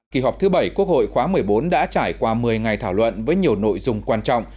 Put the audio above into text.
kỳ họp thứ bảy quốc hội khóa một mươi bốn đã trải qua một mươi ngày thảo luận với nhiều nội dung quan trọng